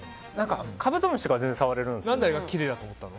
カブトムシとかは全然触れるんですけど。